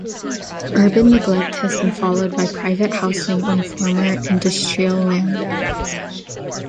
Urban neglect has been followed by private housing on former industrial land.